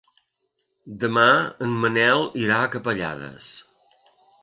Demà en Manel irà a Capellades.